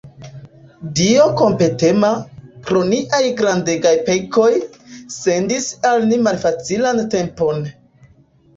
Dio kompatema, pro niaj grandegaj pekoj, sendis al ni malfacilan tempon.